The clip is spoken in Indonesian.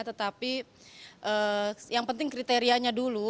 tetapi yang penting kriterianya dulu